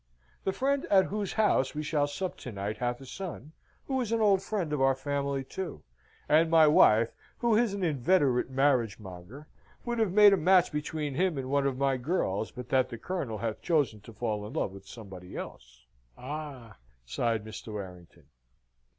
"The friend at whose house we shall sup to night hath a son, who is an old friend of our family, too; and my wife, who is an inveterate marriage monger, would have made a match between him and one of my girls, but that the Colonel hath chosen to fall in love with somebody else." "Ah!" sighed Mr. Warrington.